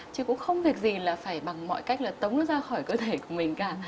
chứ cũng không việc gì là phải bằng mọi cách là tống ra khỏi cơ thể của mình cả